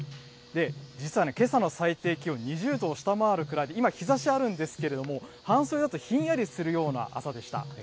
実はね、けさの最低気温、２０度を下回るくらいで、今、日ざしあるんですけれども、半袖だとひんやりするような朝でした。